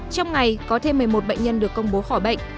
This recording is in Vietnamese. trong ngày có thêm một mươi một bệnh nhân được công bố khỏi bệnh